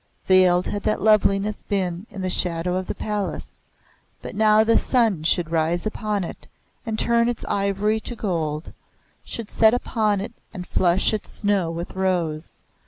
Veiled had that loveliness been in the shadow of the palace; but now the sun should rise upon it and turn its ivory to gold, should set upon it and flush its snow with rose.